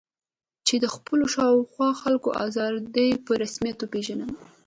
چې د خپلو شا او خوا خلکو آزادي په رسمیت وپېژنم.